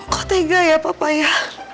kok tega ya papa ya